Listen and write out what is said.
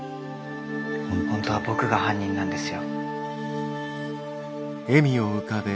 本当は僕が犯人なんですよ。